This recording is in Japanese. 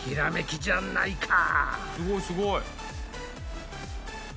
すごいすごい。